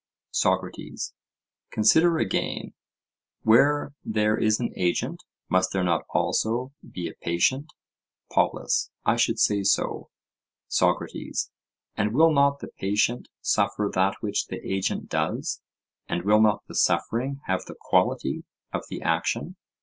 SOCRATES: Consider again:—Where there is an agent, must there not also be a patient? POLUS: I should say so. SOCRATES: And will not the patient suffer that which the agent does, and will not the suffering have the quality of the action?